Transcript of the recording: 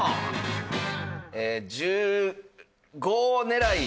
１５狙い。